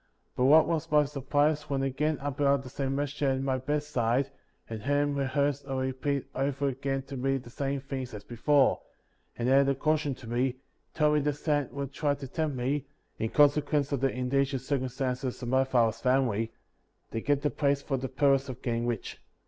But what was my sur prise when again I beheld the same messenger at my bedside, and heard him rehearse or repeat over again to me the same things as before; and added a cau tion to me, telling me that Satan would try to tempt me, (in consequence of the indigent circum stances of my father^s family), to get the plates for the purpose of getting rich.